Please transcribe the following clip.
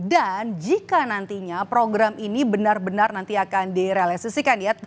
dan jika nantinya program ini benar benar nanti akan direalisasikan ya